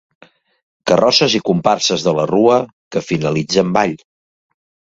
Carrosses i comparses de la Rua, que finalitza amb ball.